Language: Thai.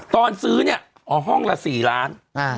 ตอนซื้อเนี่ยอ๋อห้องละ๔ล้าน